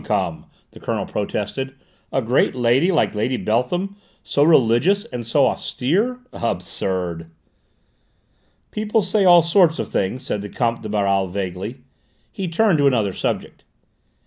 come!" the Colonel protested: "a great lady like Lady Beltham, so religious and so austere? Absurd!" "People say all sorts of things," said the Comte de Baral vaguely. He turned to another subject.